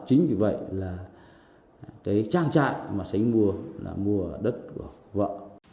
chính vì vậy là cái trang trại mà sánh mua là mua đất của vợ